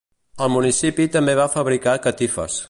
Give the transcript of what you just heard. El municipi també va fabricar catifes.